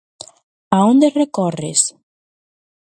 A onde recorres?